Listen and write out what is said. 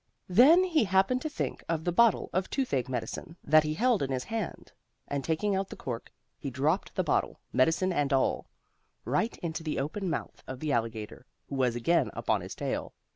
Then he happened to think of the bottle of toothache medicine that he held in his hand, and, taking out the cork, he dropped the bottle, medicine and all, right into the open mouth of the alligator, who was again up on his tail.